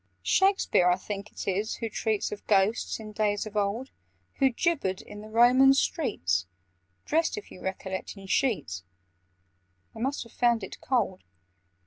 "Shakspeare I think it is who treats Of Ghosts, in days of old, Who 'gibbered in the Roman streets,' Dressed, if you recollect, in sheets— They must have found it cold.